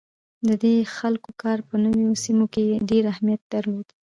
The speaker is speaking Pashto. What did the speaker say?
د دې خلکو کار په نوو سیمو کې ډیر اهمیت درلود.